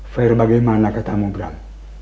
fair bagaimana katamu bram